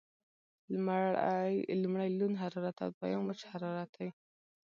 لمړی لوند حرارت او دویم وچ حرارت دی.